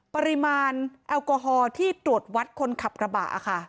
ปริมาณแอลกอฮอล์ที่ตรวจวัดคนขับกระบะค่ะ